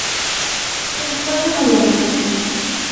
এটা লুকাতে হবে আমাদের।